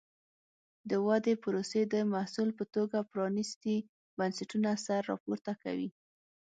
د ودې پروسې د محصول په توګه پرانیستي بنسټونه سر راپورته کوي.